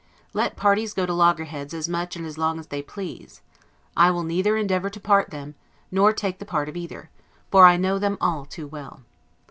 Let parties go to loggerheads as much and as long as they please; I will neither endeavor to part them, nor take the part of either; for I know them all too well.